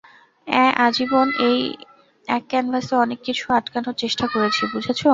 হ্যাঁ, আজীবন-ই এক ক্যানভাসে অনেক কিছু আটানোর চেষ্টা করেছি, বুঝেছো?